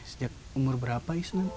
sejak umur berapa isnan